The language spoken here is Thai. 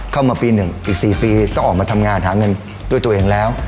เข้ามาปี๑อีก๔ปีต้องออกมาทำงานหาเงินด้วยตัวเองแล้ว